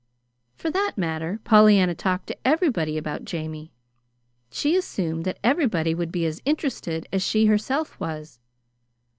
For that matter, Pollyanna talked to everybody about Jamie. She assumed that everybody would be as interested as she herself was.